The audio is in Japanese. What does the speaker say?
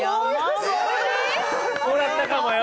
ほらきたかもよ・